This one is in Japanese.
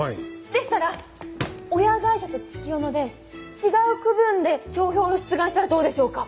でしたら親会社と月夜野で違う区分で商標を出願したらどうでしょうか。